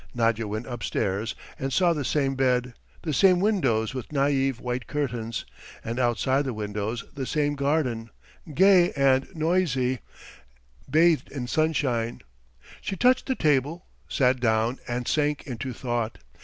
Nadya went upstairs and saw the same bed, the same windows with naïve white curtains, and outside the windows the same garden, gay and noisy, bathed in sunshine. She touched the table, sat down and sank into thought.